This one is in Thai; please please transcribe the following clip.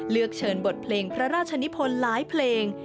เชิญบทเพลงพระราชนิพลหลายเพลง